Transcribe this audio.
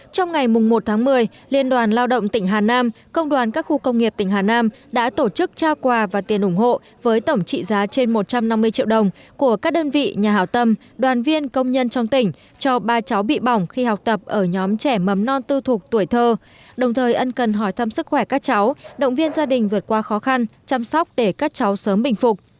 trong ngày một một mươi liên đoàn lao động tỉnh hà nam công đoàn các khu công nghiệp tỉnh hà nam đã tổ chức trao quà và tiền ủng hộ với tổng trị giá trên một trăm năm mươi triệu đồng của các đơn vị nhà hảo tâm đoàn viên công nhân trong tỉnh cho ba cháu bị bỏng khi học tập ở nhóm trẻ mấm non tư thuộc tuổi thơ đồng thời ân cần hỏi thăm sức khỏe các cháu động viên gia đình vượt qua khó khăn chăm sóc để các cháu sớm bình phục